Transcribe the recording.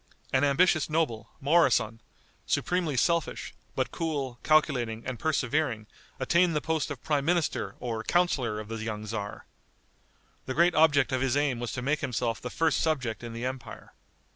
An ambitious noble, Moroson, supremely selfish, but cool, calculating and persevering, attained the post of prime minister or counselor of the young tzar. The great object of his aim was to make himself the first subject in the empire.